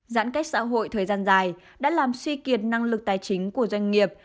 giãn cách xã hội thời gian dài đã làm suy kiệt năng lực tài chính của doanh nghiệp